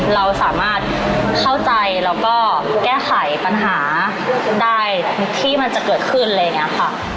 เราสามารถเข้าใจแล้วก็แก้ไขปัญหาได้ที่มันจะเกิดขึ้นอะไรอย่างนี้ค่ะ